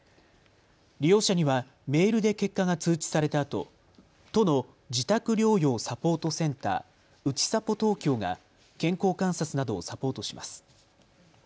利用者にはメールで結果が通知されたあと都の自宅療養サポートセンター・うちさぽ東京が健康観察などをサポートします。